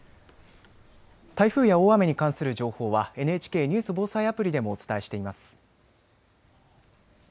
台風や大雨に関する情報はＮＨＫニュース・防災アプリでもお伝えしています。